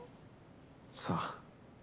さあ？